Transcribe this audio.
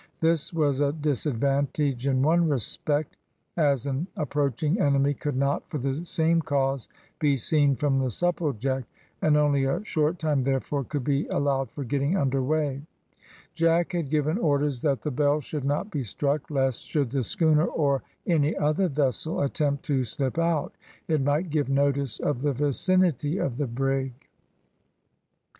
This was a disadvantage in one respect, as an approaching enemy could not, for the same cause, be seen from the Supplejack, and only a short time, therefore, could be allowed for getting under weigh. Jack had given orders that the bell should not be struck, lest, should the schooner, or any other vessel, attempt to slip out, it might give notice of the vicinity of the brig.